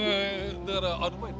だからアルバイト。